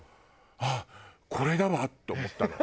あっこれだわって思ったの。